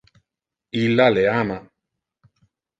Illa le ama.